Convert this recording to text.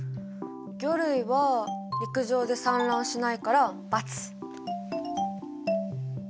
魚類は陸上で産卵しないから×。